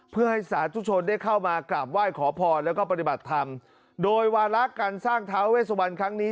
เพื่อให้สาธุชนได้เข้ามากราบไหว้ขอพรแล้วก็ปฏิบัติธรรมโดยวาระการสร้างท้าเวสวันครั้งนี้